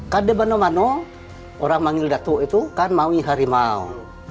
kadang kadang orang yang memanggil datuk itu kan maui harimau